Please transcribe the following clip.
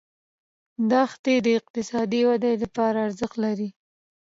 دښتې د اقتصادي ودې لپاره ارزښت لري.